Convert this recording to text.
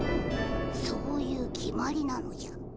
そういう決まりなのじゃ。